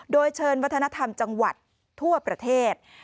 โดยเชิญวัฒนธรรมจังหวัดทั่วประเทศ